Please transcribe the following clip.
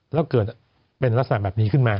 แล้วเกิดเป็นลักษณะแบบนี้ขึ้นมา